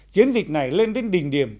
chiến dịch này lên đến đình điểm